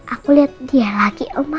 aku lihat dia lagi oma